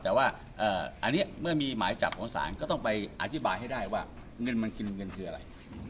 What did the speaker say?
แต่ว่าอันนี้เมื่อมีหมายจับของศาลก็ต้องไปอธิบายให้ได้ว่าเงินมันกินเงินคืออะไร